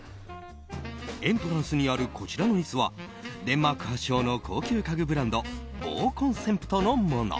エントランスにあるこちらの椅子はデンマーク発祥の高級家具ブランドボーコンセプトのもの。